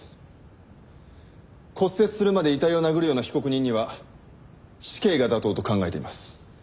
骨折するまで遺体を殴るような被告人には死刑が妥当と考えています。